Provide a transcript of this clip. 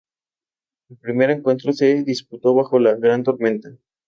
El primer encuentro se disputó bajo una gran tormenta.